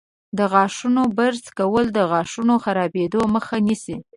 د غاښونو برش کول د غاښونو خرابیدو مخه نیسي.